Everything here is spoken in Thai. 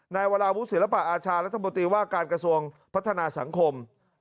วราวุศิลปะอาชารัฐมนตรีว่าการกระทรวงพัฒนาสังคม